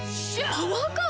パワーカーブ⁉